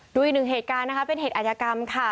ดูอีกหนึ่งเหตุการณ์นะคะเป็นเหตุอาจยากรรมค่ะ